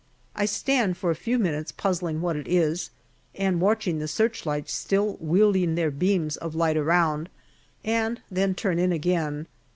I stand for a few minutes puzzling what it is, and watching the searchlights still wielding their beams of light around, and then turn in again.